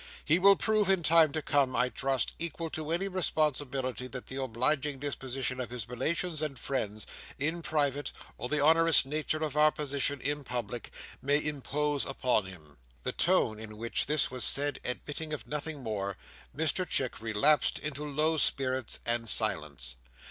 He will prove, in time to come, I trust, equal to any responsibility that the obliging disposition of his relations and friends, in private, or the onerous nature of our position, in public, may impose upon him." The tone in which this was said admitting of nothing more, Mr Chick relapsed into low spirits and silence.